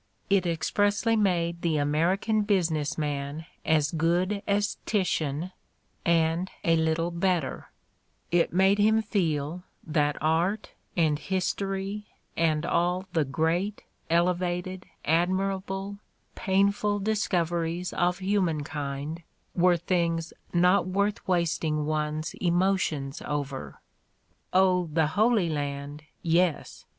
It ex pressly made the American business man as good as Titian and a little better : it made him feel that art and history and all the great, elevated, admirable, painful discoveries of humankind were things not worth wast Mark Twain's Humor 217 ing one's emotions over. Oh, the Holy Land, yes